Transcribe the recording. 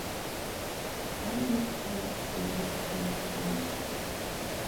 The army of spirits has been receding further and further from us.